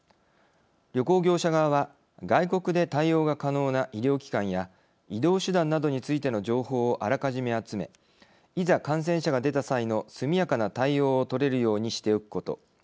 旅行業者側は外国で対応が可能な医療機関や移動手段などについての情報をあらかじめ集めいざ感染者が出た際の速やかな対応を取れるようにしておくこと。